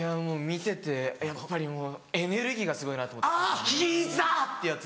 見ててやっぱりもうエネルギーがすごいなと思って。